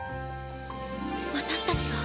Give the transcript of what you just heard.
私たちが。